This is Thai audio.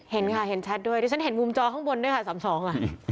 เห็นค่ะเห็นชัดด้วยเดี๋ยวฉันเห็นมุมจอข้างบนนะสามสอง